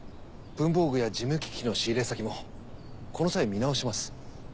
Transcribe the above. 文房具や事務機器の仕入先もこの際見直します。